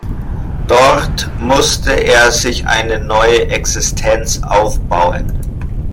Dort musste er sich eine neue Existenz aufbauen.